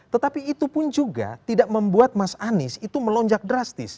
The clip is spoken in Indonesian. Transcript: tetapi itu pun juga tidak membuat mas anies itu melonjak drastis